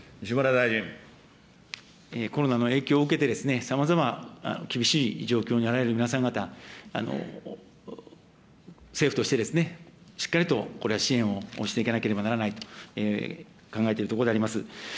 コロナの影響を受けて、さまざま厳しい状況に在られる皆さん方、政府としてしっかりとこれは支援をしていかなければならないと考えているところであります。